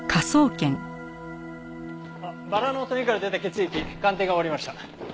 バラのトゲから出た血液鑑定が終わりました。